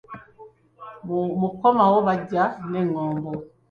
Mu kukomawo bajja n’engombo.